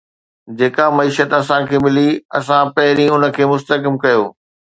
جيڪا معيشت اسان کي ملي، اسان پهرين ان کي مستحڪم ڪيو